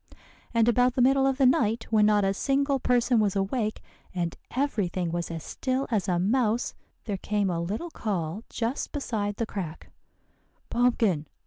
"And about the middle of the night, when not a single person was awake, and every thing was as still as a mouse, there came a little call just beside the crack, 'Pumpkin!